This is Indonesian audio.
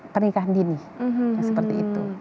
pernikahan dini seperti itu